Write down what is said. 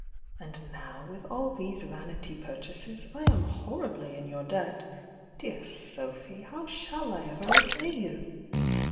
And now, with all these vanity purchases, I am horribly in your debt. Dear Sophy, how shall I ever repay vou?"